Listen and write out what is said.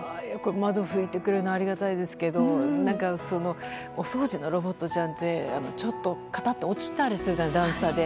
窓を拭いてくれるのありがたいですけどお掃除のロボットちゃんってちょっとかたっと落ちたりするじゃないですか段差で。